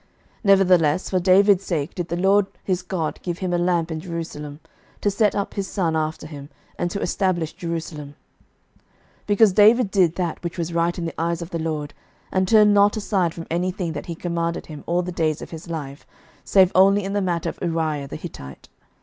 11:015:004 Nevertheless for David's sake did the LORD his God give him a lamp in Jerusalem, to set up his son after him, and to establish Jerusalem: 11:015:005 Because David did that which was right in the eyes of the LORD, and turned not aside from any thing that he commanded him all the days of his life, save only in the matter of Uriah the Hittite.